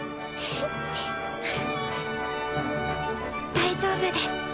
大丈夫です